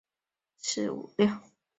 干元元年仍为黄州。